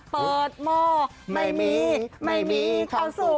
เปิดหม้อไม่มีไม่มีข้าวสุก